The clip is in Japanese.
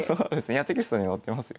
いやテキストに載ってますよ。